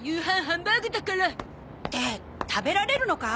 ハンバーグだから。って食べられるのか？